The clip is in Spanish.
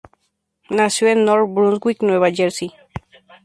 Nació en North Brunswick, Nueva Jersey.